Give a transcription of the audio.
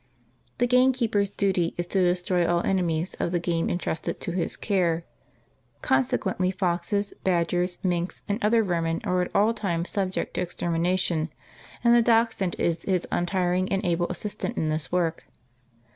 The game keeper's duty is to destroy all enemies of the game entrusted to his care, consequently foxes, badgers, minks and other vermin are at all times subject to extermination, and the Dachshund is his untiring and able assistant in this work.